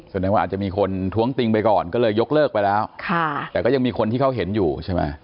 แสดงว่าอาจจะมีคนท้วงติงไปก่อนก็เลยยกเลิกไปแล้วแต่ก็ยังมีคนที่เขาเห็นอยู่ใช่ไหม